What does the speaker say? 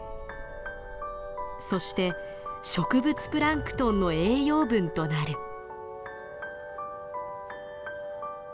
そして植物プランクトンの栄養分となる。